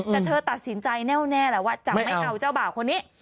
แต่เธอตัดสินใจแน่วแน่แหละว่าจะไม่เอาเจ้าบ่าวคนนี้